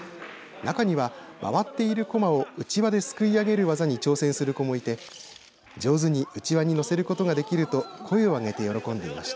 中には、回っているこまをうちわですくい上げる技に挑戦する子もいて上手にうちわに乗せることができると声を上げて喜んでいました。